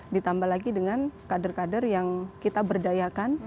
ditambah lagi dengan kader kader yang kita berdayakan